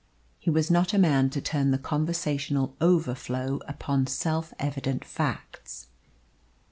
He was not a man to turn the conversational overflow upon self evident facts.